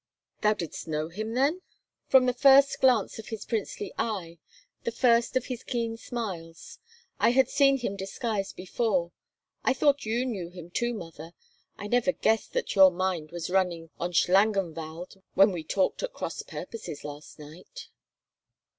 Thou didst know him then?" "From the first glance of his princely eye—the first of his keen smiles. I had seen him disguised before. I thought you knew him too, mother; I never guessed that your mind was running on Schlangenwald when we talked at cross purposes last night."